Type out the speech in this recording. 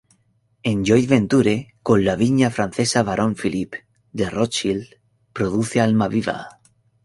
En "joint venture" con la viña francesa Barón Philippe de Rothschild produce "Almaviva".